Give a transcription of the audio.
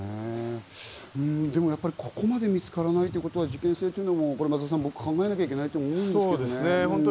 でもここまで見つからないということが、事件性も僕は考えなきゃいけないと思うんですけどね。